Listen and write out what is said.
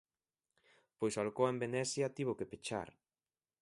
Pois Alcoa en Venecia tivo que pechar.